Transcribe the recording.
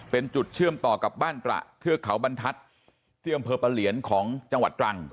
เป็นจุดเชื่อมต่อกับบ้านตระเทือกเขาบรรทัศน์ที่อำเภอปะเหลียนของจังหวัดตรัง